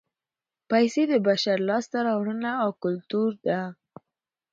پیسې د بشر لاسته راوړنه او کولتور دی